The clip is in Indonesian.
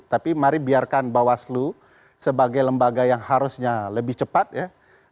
tapi mari biarkan bawaslu sebagai lembaga yang harusnya lebih cepat ya